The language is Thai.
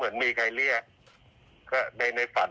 เหมือนมีใครเรียก